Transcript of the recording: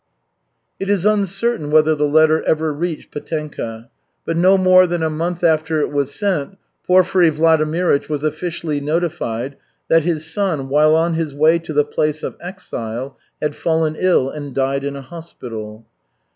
#/ It is uncertain whether the letter ever reached Petenka, but no more than a month after it was sent, Porfiry Vladimirych was officially notified that his son, while on his way to the place of exile, had fallen ill and died in a hospital.